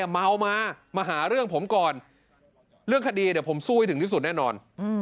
เมามามาหาเรื่องผมก่อนเรื่องคดีเดี๋ยวผมสู้ให้ถึงที่สุดแน่นอน